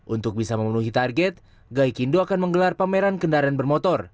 untuk bisa memenuhi target gaikindo akan menggelar pameran kendaraan bermotor